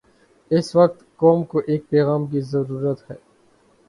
اس وقت قوم کو ایک پیغام کی ضرورت ہے۔